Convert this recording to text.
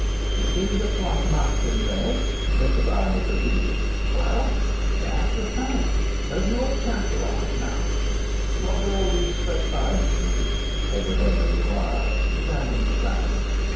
"You see the plot marked in red?" Mr. Bryany proceeded. "Well, that's the site. There's an old chapel on it now." "What do all these straight lines mean?" Edward Henry inquired, examining the plan.